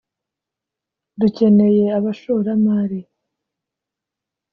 dukeneye abashoramari